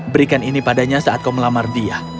berikan ini padanya saat kau melamar dia